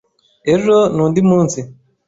Ejo ni undi munsi.